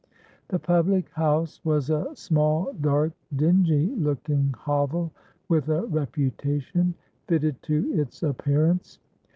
The public house was a small dark, dingy looking hovel, with a reputation fitted to its appearance.